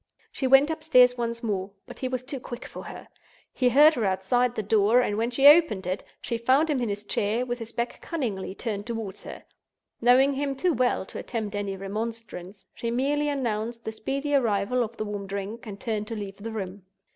She went upstairs once more; but he was too quick for her—he heard her outside the door; and when she opened it, she found him in his chair, with his back cunningly turned toward her. Knowing him too well to attempt any remonstrance, she merely announced the speedy arrival of the warm drink and turned to leave the room.